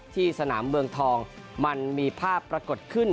สนามเมืองทองมันมีภาพปรากฏขึ้น